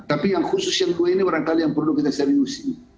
tapi yang khusus yang dua ini barangkali yang perlu kita seriusi